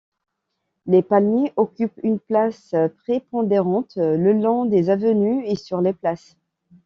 Les palmiers occupent une place prépondérante le long des avenues et sur les places.